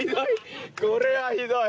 これはひどい。